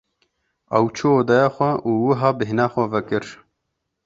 Ew çû odeya xwe û wiha bêhna xwe vekir.